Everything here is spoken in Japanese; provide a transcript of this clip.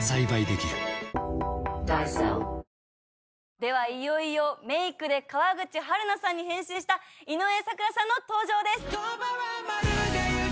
ではいよいよメイクで川口春奈さんに変身した井上咲楽さんの登場です。